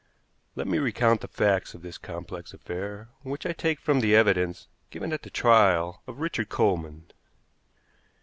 Let me recount the facts of this complex affair, which I take from the evidence given at the trial of Richard Coleman.